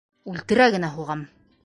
- Үлтерә генә һуғам.